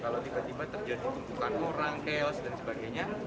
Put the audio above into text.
kalau tiba tiba terjadi tumpukan orang chaos dan sebagainya